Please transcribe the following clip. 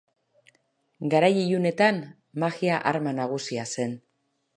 Garai ilunetan, magia arma nagusia zen.